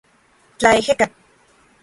Tlaejeka.